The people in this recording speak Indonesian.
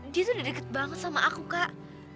dia tuh udah deket banget sama aku kak